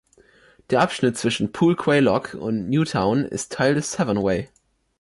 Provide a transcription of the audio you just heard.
Der Abschnitt zwischen Pool Quay Lock und Newtown ist Teil des Severn Way.